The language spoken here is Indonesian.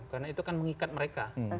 karena itu kan mengikat mereka